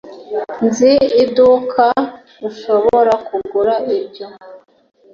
Nzi iduka ushobora kugura ibyo